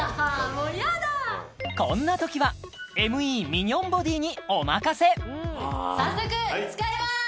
もうやだこんな時はＭＥミニョンボディにお任せ早速使いまーす